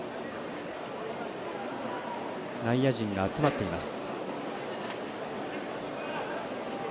内野陣が集まっています。